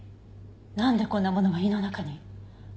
なんでこんなものが胃の中に？